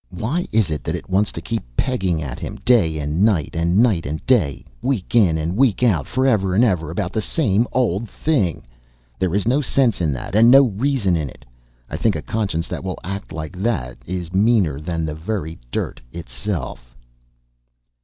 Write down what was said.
Why is it that it wants to keep on pegging at him, day and night and night and day, week in and week out, forever and ever, about the same old thing? There is no sense in that, and no reason in it. I think a conscience that will act like that is meaner than the very dirt itself."